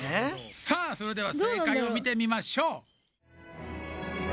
さあそれではせいかいをみてみましょう。